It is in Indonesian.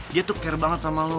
dia tuh care banget sama lo